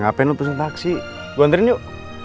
gue anterin yuk